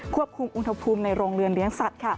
ควบคุมอุณหภูมิในโรงเรือนเลี้ยงสัตว์